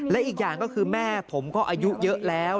และอีกอย่างก็คือแม่ผมก็อายุเยอะแล้ว